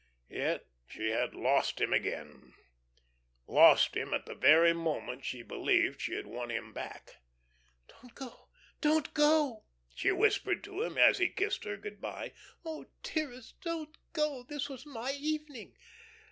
Yet she had lost him again, lost him at the very moment she believed she had won him back. "Don't go, don't go," she whispered to him, as he kissed her good by. "Oh, dearest, don't go! This was my evening."